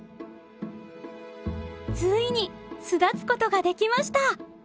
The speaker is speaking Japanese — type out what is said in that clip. ついに巣立つことができました！